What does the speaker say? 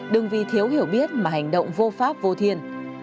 đừng vì thiếu hiểu biết mà hành động vô pháp vô thiên